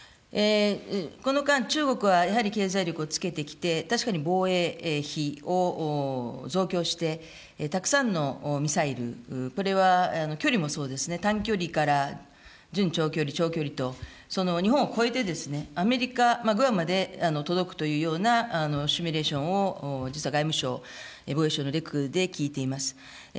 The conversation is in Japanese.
この間、中国はやっぱり経済力をつけてきて、防衛費を増強して、たくさんのミサイル、これは距離もそうですね、短距離から準長距離、長距離と、その日本を越えて、アメリカ・グアムまで届くというようなシミュレーションを実は外務省、防衛省のレクで聞いています。